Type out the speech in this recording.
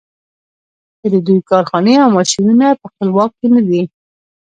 که د دوی کارخانې او ماشینونه په خپل واک کې نه دي.